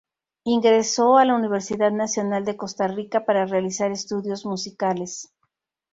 Ingresó a la Universidad Nacional de Costa Rica para realizar estudios musicales.